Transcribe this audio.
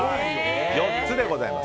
４つでございます。